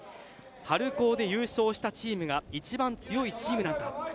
春高で優勝したチームが一番強いチームなんだ。